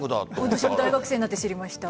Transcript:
私は大学生になってから知りました。